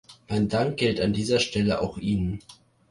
Mein Dank gilt an dieser Stelle auch ihnen.